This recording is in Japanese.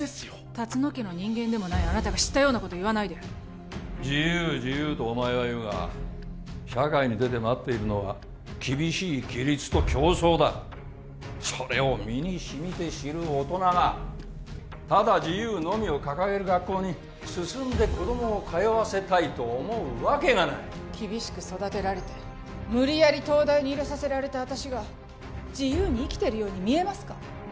龍野家の人間でもないあなたが知ったようなこと言わないで自由自由とお前は言うが社会に出て待っているのは厳しい規律と競争だそれを身にしみて知る大人がただ自由のみを掲げる学校に進んで子供を通わせたいと思うわけがない厳しく育てられて無理やり東大に入れさせられた私が自由に生きてるように見えますか？